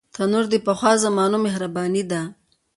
تنور د پخوا زمانو مهرباني ده